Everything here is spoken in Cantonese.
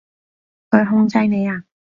佢控制你呀？